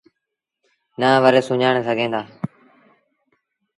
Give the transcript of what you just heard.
نآ وري سُڃآڻي سگھينٚ دآ